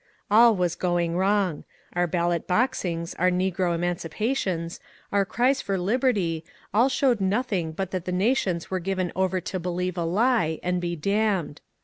All was going wrong ; our ballot boxings, our negro emanci* pations, our cries for liberty, all showed nothing but that the nations were given over to believe a lie and be damned.